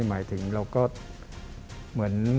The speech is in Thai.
หมายถึงเราก็เหมือน